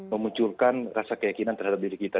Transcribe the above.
memunculkan rasa keyakinan terhadap diri kita